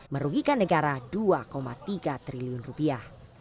merugikan negara dua tiga triliun rupiah